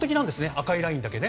赤いラインだけね。